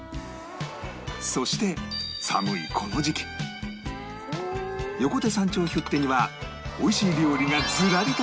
そして寒いこの時期横手山頂ヒュッテにはおいしい料理がズラリとラインアップ！